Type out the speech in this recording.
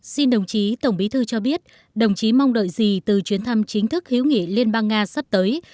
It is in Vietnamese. xin đồng chí tổng bí thư cho biết đồng chí mong đợi gì từ chuyến thăm chính thức hữu nghị liên bang nga sắp tới